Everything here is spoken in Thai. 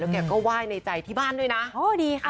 แกก็ไหว้ในใจที่บ้านด้วยนะโอ้ดีค่ะ